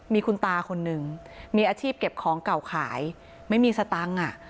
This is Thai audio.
มีคุณตาคนนึงมีอาชีพเก็บของเก่าขายไม่มีสตังค์อ่ะ